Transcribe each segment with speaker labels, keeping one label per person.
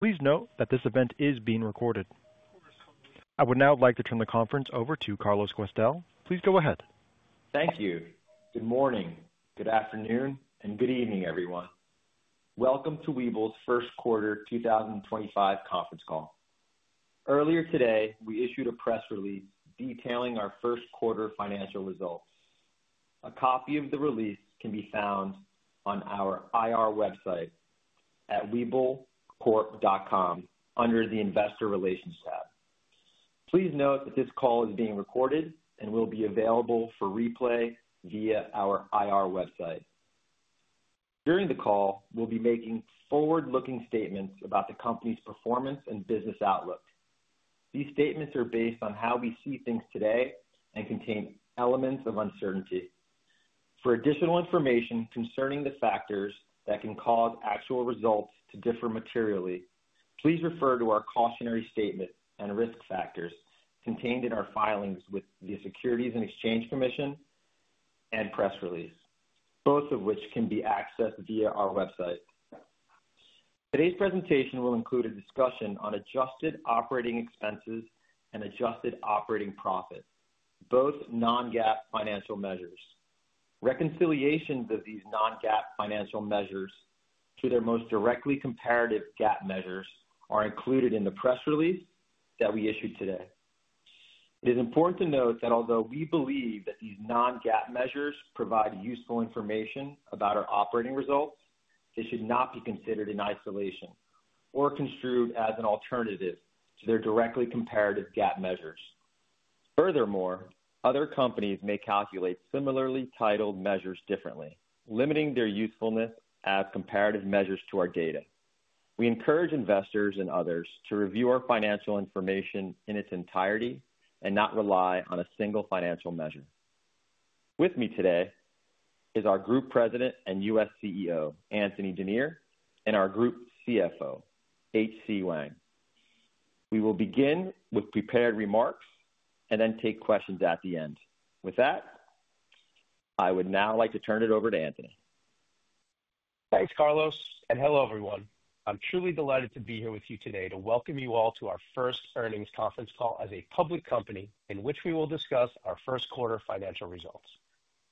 Speaker 1: Please note that this event is being recorded. I would now like to turn the conference over to Carlos Questell. Please go ahead.
Speaker 2: Thank you. Good morning, good afternoon, and good evening, everyone. Welcome to Webull's First quarter 2025 conference call. Earlier today, we issued a press release detailing our first quarter financial results. A copy of the release can be found on our IR website at webullcorp.com under the Investor Relations tab. Please note that this call is being recorded and will be available for replay via our IR website. During the call, we'll be making forward-looking statements about the company's performance and business outlook. These statements are based on how we see things today and contain elements of uncertainty. For additional information concerning the factors that can cause actual results to differ materially, please refer to our cautionary statement and risk factors contained in our filings with the Securities and Exchange Commission and press release, both of which can be accessed via our website. Today's presentation will include a discussion on adjusted operating expenses and adjusted operating profit, both non-GAAP financial measures. Reconciliations of these non-GAAP financial measures to their most directly comparative GAAP measures are included in the press release that we issued today. It is important to note that although we believe that these non-GAAP measures provide useful information about our operating results, they should not be considered in isolation or construed as an alternative to their directly comparative GAAP measures. Furthermore, other companies may calculate similarly titled measures differently, limiting their usefulness as comparative measures to our data. We encourage investors and others to review our financial information in its entirety and not rely on a single financial measure. With me today is our Group President and U.S. CEO, Anthony Denier, and our Group CFO, H. C. Wang. We will begin with prepared remarks and then take questions at the end. With that, I would now like to turn it over to Anthony.
Speaker 3: Thanks, Carlos, and hello, everyone. I'm truly delighted to be here with you today to welcome you all to our first earnings conference call as a public company in which we will discuss our first quarter financial results.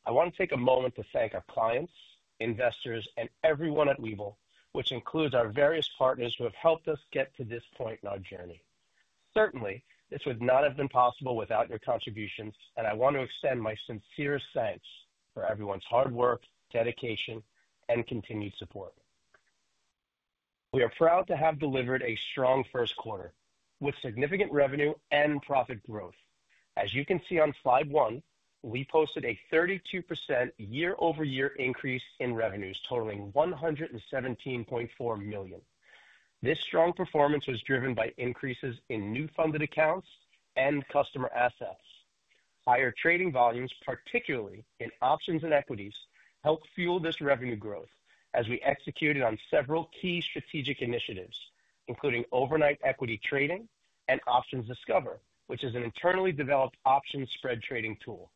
Speaker 3: I want to take a moment to thank our clients, investors, and everyone at Webull, which includes our various partners who have helped us get to this point in our journey. Certainly, this would not have been possible without your contributions, and I want to extend my sincere thanks for everyone's hard work, dedication, and continued support. We are proud to have delivered a strong first quarter with significant revenue and profit growth. As you can see on slide one, we posted a 32% year-over-year increase in revenues totaling $117.4 million. This strong performance was driven by increases in new funded accounts and customer assets. Higher trading volumes, particularly in options and equities, helped fuel this revenue growth as we executed on several key strategic initiatives, including overnight equity trading and Options Discover, which is an internally developed option spread trading tool.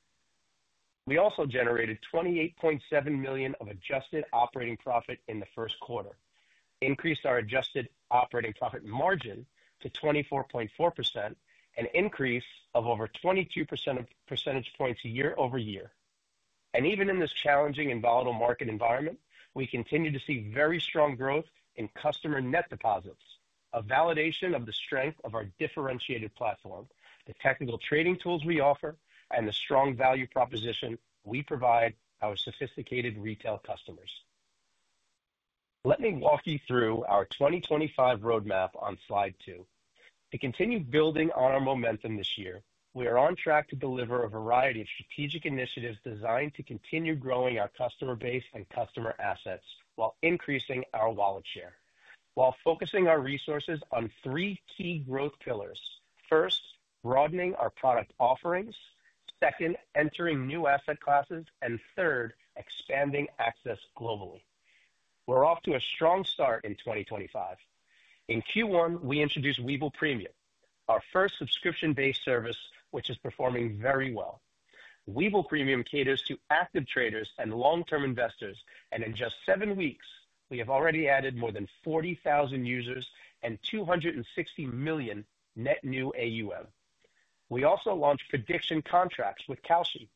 Speaker 3: We also generated $28.7 million of adjusted operating profit in the first quarter, increased our adjusted operating profit margin to 24.4%, an increase of over 22 percentage points year-over-year. Even in this challenging and volatile market environment, we continue to see very strong growth in customer net deposits, a validation of the strength of our differentiated platform, the technical trading tools we offer, and the strong value proposition we provide our sophisticated retail customers. Let me walk you through our 2025 roadmap on slide two. To continue building on our momentum this year, we are on track to deliver a variety of strategic initiatives designed to continue growing our customer base and customer assets while increasing our wallet share, while focusing our resources on three key growth pillars. First, broadening our product offerings. Second, entering new asset classes. Third, expanding access globally. We're off to a strong start in 2025. In Q1, we introduced Webull Premium, our first subscription-based service, which is performing very well. Webull Premium caters to active traders and long-term investors, and in just seven weeks, we have already added more than 40,000 users and $260 million net new AUM. We also launched Prediction contracts with Kalshi,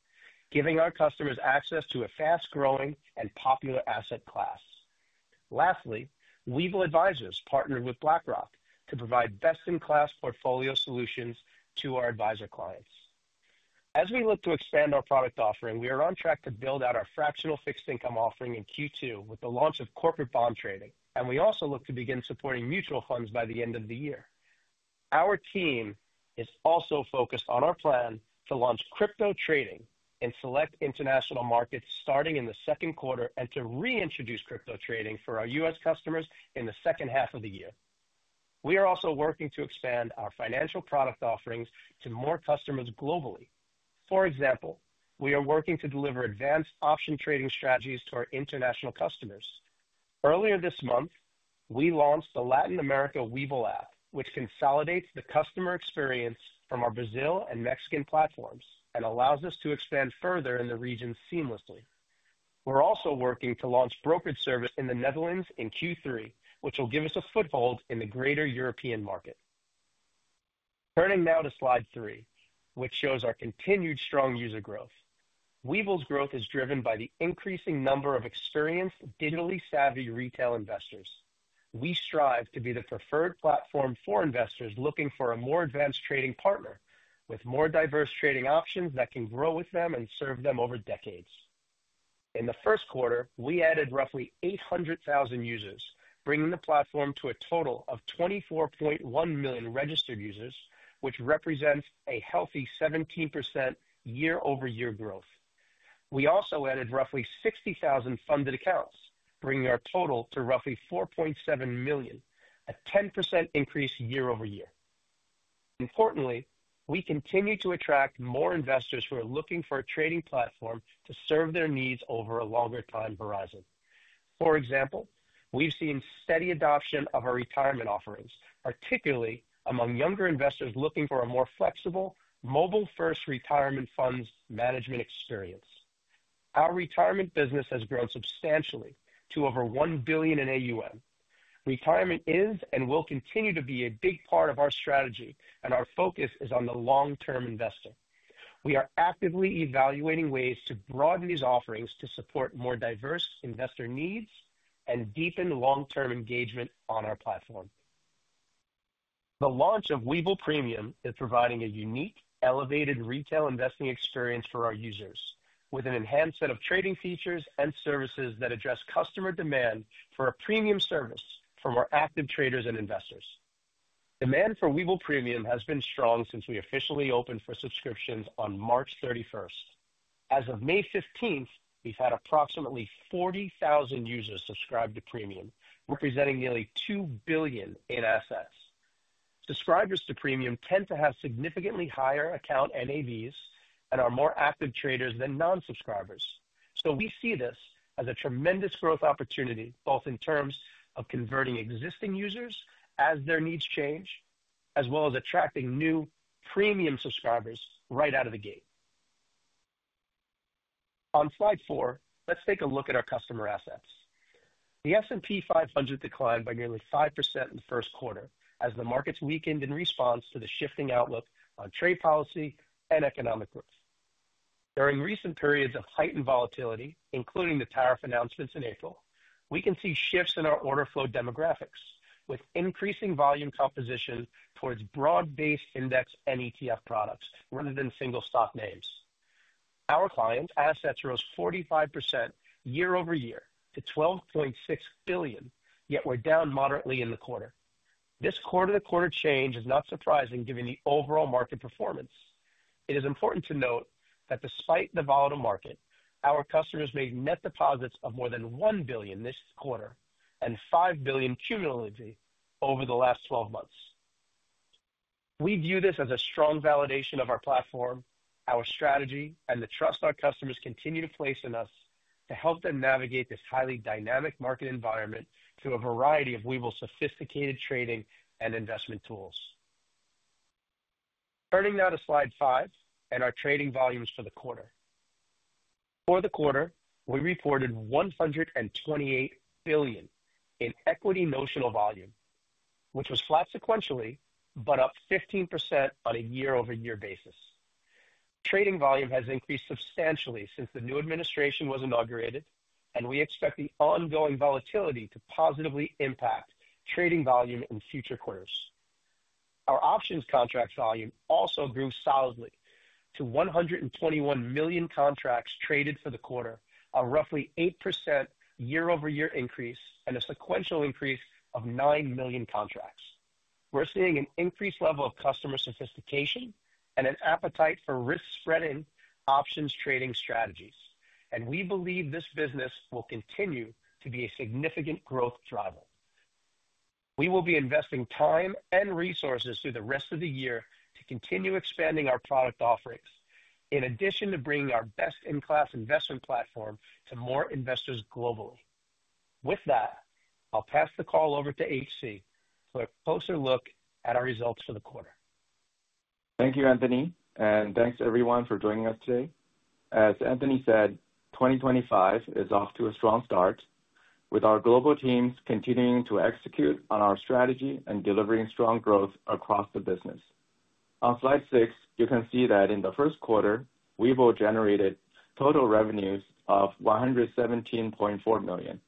Speaker 3: giving our customers access to a fast-growing and popular asset class. Lastly, Webull Advisors partnered with BlackRock to provide best-in-class portfolio solutions to our advisor clients. As we look to expand our product offering, we are on track to build out our fractional fixed income offering in Q2 with the launch of Corporate bond trading, and we also look to begin supporting Mutual funds by the end of the year. Our team is also focused on our plan to launch Crypto trading in select international markets starting in the second quarter and to reintroduce Crypto trading for our U.S. customers in the second half of the year. We are also working to expand our financial product offerings to more customers globally. For example, we are working to deliver Advanced option trading strategies to our international customers. Earlier this month, we launched the Latin America Webull app, which consolidates the customer experience from our Brazil and Mexican platforms and allows us to expand further in the region seamlessly. We're also working to launch Brokerage service in the Netherlands in Q3, which will give us a foothold in the greater European market. Turning now to slide three, which shows our continued strong user growth. Webull's growth is driven by the increasing number of experienced, digitally savvy retail investors. We strive to be the preferred platform for investors looking for a more advanced trading partner with more diverse trading options that can grow with them and serve them over decades. In the first quarter, we added roughly 800,000 users, bringing the platform to a total of 24.1 million registered users, which represents a healthy 17% year-over-year growth. We also added roughly 60,000 funded accounts, bringing our total to roughly 4.7 million, a 10% increase year-over-year. Importantly, we continue to attract more investors who are looking for a trading platform to serve their needs over a longer time horizon. For example, we've seen steady adoption of our Retirement offerings, particularly among younger investors looking for a more flexible, mobile-first retirement funds management experience. Our retirement business has grown substantially to over $1 billion in AUM. Retirement is and will continue to be a big part of our strategy, and our focus is on the long-term investor. We are actively evaluating ways to broaden these offerings to support more diverse investor needs and deepen long-term engagement on our platform. The launch of Webull Premium is providing a unique, elevated retail investing experience for our users, with an enhanced set of trading features and services that address customer demand for a premium service from our active traders and investors. Demand for Webull Premium has been strong since we officially opened for subscriptions on March 31st. As of May 15th, we've had approximately 40,000 users subscribe to Premium, representing nearly $2 billion in assets. Subscribers to Premium tend to have significantly higher account NAVs and are more active traders than non-subscribers. We see this as a tremendous growth opportunity, both in terms of converting existing users as their needs change, as well as attracting new premium subscribers right out of the gate. On slide four, let's take a look at our customer assets. The S&P 500 declined by nearly 5% in the first quarter as the markets weakened in response to the shifting outlook on trade policy and economic growth. During recent periods of heightened volatility, including the tariff announcements in April, we can see shifts in our order flow demographics, with increasing volume composition towards broad-based index and ETF products rather than single stock names. Our clients' assets rose 45% year-over-year to $12.6 billion, yet we're down moderately in the quarter. This quarter-to-quarter change is not surprising given the overall market performance. It is important to note that despite the volatile market, our customers made net deposits of more than $1 billion this quarter and $5 billion cumulatively over the last 12 months. We view this as a strong validation of our platform, our strategy, and the trust our customers continue to place in us to help them navigate this highly dynamic market environment through a variety of Webull sophisticated trading and investment tools. Turning now to slide five and our trading volumes for the quarter. For the quarter, we reported $128 billion in equity notional volume, which was flat sequentially, but up 15% on a year-over-year basis. Trading volume has increased substantially since the new administration was inaugurated, and we expect the ongoing volatility to positively impact trading volume in future quarters. Our options contract volume also grew solidly to 121 million contracts traded for the quarter, a roughly 8% year-over-year increase and a sequential increase of 9 million contracts. We're seeing an increased level of customer sophistication and an appetite for risk-spreading options trading strategies, and we believe this business will continue to be a significant growth driver. We will be investing time and resources through the rest of the year to continue expanding our product offerings, in addition to bringing our best-in-class investment platform to more investors globally. With that, I'll pass the call over to H. C. for a closer look at our results for the quarter.
Speaker 4: Thank you, Anthony, and thanks everyone for joining us today. As Anthony said, 2025 is off to a strong start, with our global teams continuing to execute on our strategy and delivering strong growth across the business. On slide six, you can see that in the first quarter, Webull generated total revenues of $117.4 million,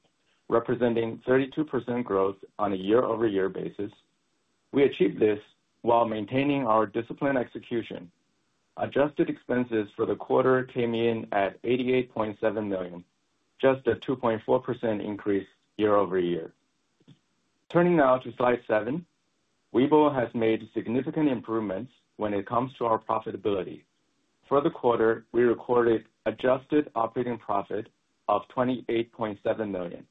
Speaker 4: representing 32% growth on a year-over-year basis. We achieved this while maintaining our disciplined execution. Adjusted expenses for the quarter came in at $88.7 million, just a 2.4% increase year-over-year. Turning now to slide seven, Webull has made significant improvements when it comes to our profitability. For the quarter, we recorded adjusted operating profit of $28.7 million,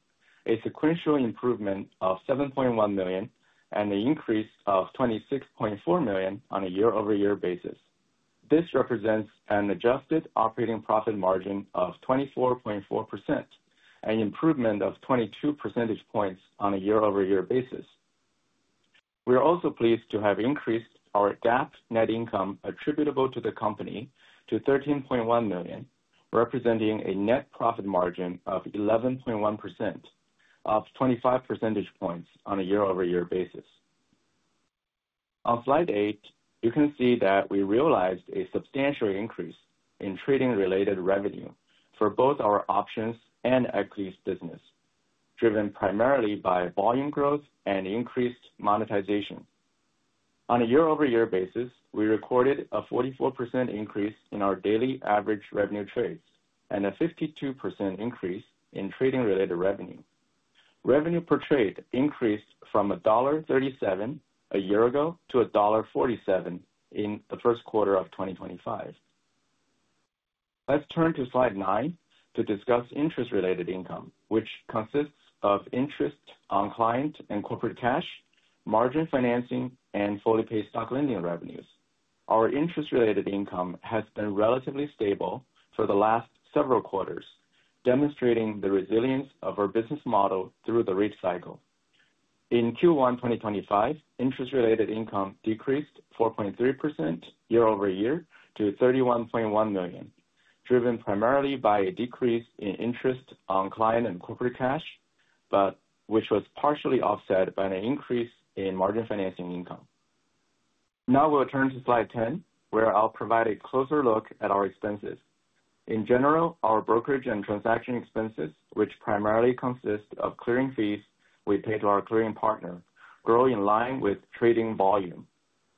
Speaker 4: a sequential improvement of $7.1 million, and an increase of $26.4 million on a year-over-year basis. This represents an adjusted operating profit margin of 24.4%, an improvement of 22 percentage points on a year-over-year basis. We are also pleased to have increased our GAAP net income attributable to the company to $13.1 million, representing a net profit margin of 11.1%, up 25 percentage points on a year-over-year basis. On slide eight, you can see that we realized a substantial increase in trading-related revenue for both our options and equities business, driven primarily by volume growth and increased monetization. On a year-over-year basis, we recorded a 44% increase in our daily average revenue trades and a 52% increase in trading-related revenue. Revenue per trade increased from $1.37 a year ago to $1.47 in the first quarter of 2025. Let's turn to slide nine to discuss interest-related income, which consists of interest on client and corporate cash, Margin financing, and Fully paid stock lending revenues. Our interest-related income has been relatively stable for the last several quarters, demonstrating the resilience of our business model through the rate cycle. In Q1 2025, interest-related income decreased 4.3% year-over-year to $31.1 million, driven primarily by a decrease in interest on client and corporate cash, But which was partially offset by an increase in Margin financing income. Now we'll turn to slide 10, where I'll provide a closer look at our expenses. In general, our brokerage and transaction expenses, which primarily consist of clearing fees we pay to our clearing partner, grow in line with trading volume.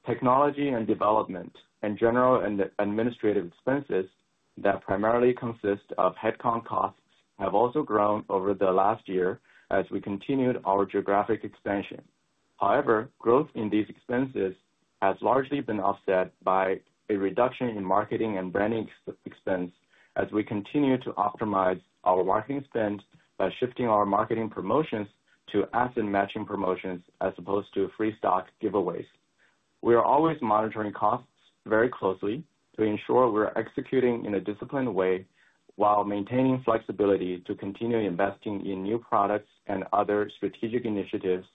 Speaker 4: Technology and development and general and administrative expenses that primarily consist of headcount costs have also grown over the last year as we continued our geographic expansion. However, growth in these expenses has largely been offset by a reduction in marketing and branding expense as we continue to optimize our marketing spend by shifting our marketing promotions to Asset matching promotions as opposed to free stock giveaways. We are always monitoring costs very closely to ensure we're executing in a disciplined way while maintaining flexibility to continue investing in new products and other strategic initiatives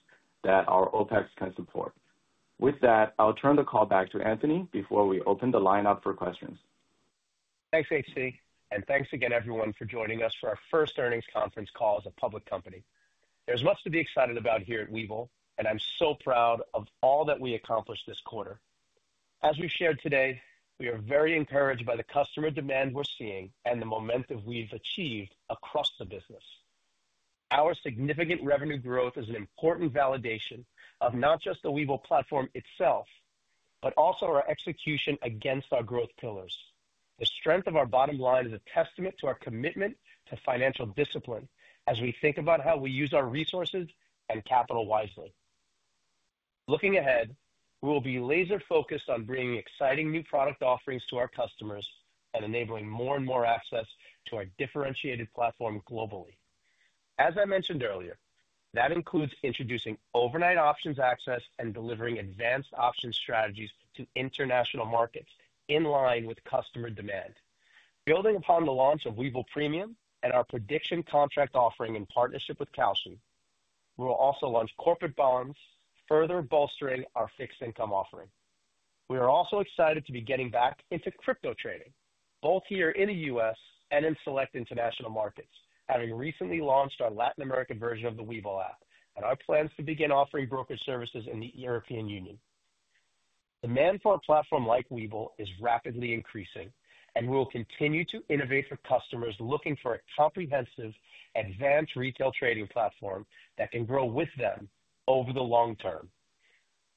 Speaker 4: that our OPEX can support. With that, I'll turn the call back to Anthony before we open the line up for questions.
Speaker 3: Thanks, H. C., and thanks again, everyone, for joining us for our first earnings conference call as a public company. There is much to be excited about here at Webull, and I'm so proud of all that we accomplished this quarter. As we shared today, we are very encouraged by the customer demand we're seeing and the momentum we've achieved across the business. Our significant revenue growth is an important validation of not just the Webull platform itself, but also our execution against our growth pillars. The strength of our bottom line is a testament to our commitment to financial discipline as we think about how we use our resources and capital wisely. Looking ahead, we will be laser-focused on bringing exciting new product offerings to our customers and enabling more and more access to our differentiated platform globally. As I mentioned earlier, that includes introducing overnight options access and delivering advanced options strategies to international markets in line with customer demand. Building upon the launch of Webull Premium and our prediction contract offering in partnership with Kalshi, we will also launch corporate bonds, further bolstering our fixed income offering. We are also excited to be getting back into Crypto trading, both here in the U.S. and in select international markets, having recently launched our Latin America version of the Webull app and our plans to begin offering brokerage services in the European Union. Demand for a platform like Webull is rapidly increasing, and we will continue to innovate for customers looking for a comprehensive, advanced retail trading platform that can grow with them over the long term.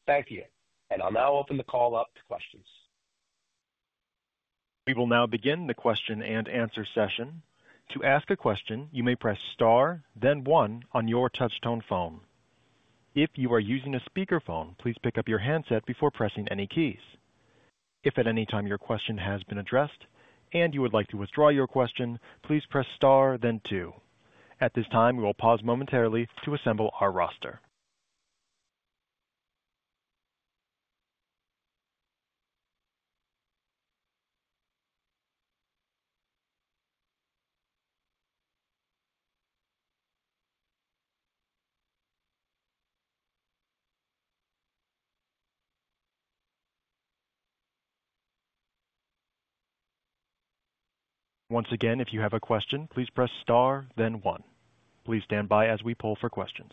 Speaker 3: Thank you, and I'll now open the call up to questions.
Speaker 1: We will now begin the question and answer session. To ask a question, you may press star, then one on your touch-tone phone. If you are using a speakerphone, please pick up your handset before pressing any keys. If at any time your question has been addressed and you would like to withdraw your question, please press star, then two. At this time, we will pause momentarily to assemble our roster. Once again, if you have a question, please press star, then one. Please stand by as we pull for questions.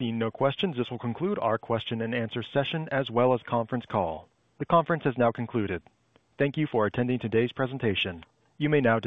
Speaker 1: Seeing no questions, this will conclude our question and answer session as well as conference call. The conference has now concluded. Thank you for attending today's presentation. You may now.